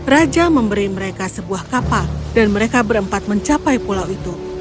raja memberi mereka sebuah kapal dan mereka berempat mencapai pulau itu